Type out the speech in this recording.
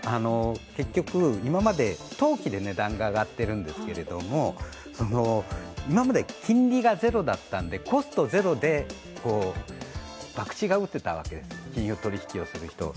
結局、今まで投機で値段が上がっているんですけども、今まで金利がゼロだったので、コストゼロでばくちが打てたわけです、金融取引をする人を。